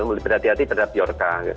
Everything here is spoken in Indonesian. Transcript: lebih berhati hati terhadap biorka